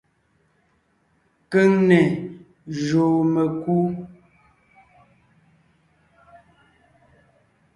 Keŋne jùu mekú.